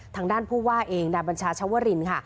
ทางด้านผู้ว่าเองนายบัญชาชวรินค่ะ